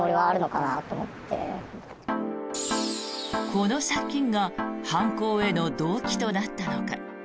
この借金が犯行への動機となったのか。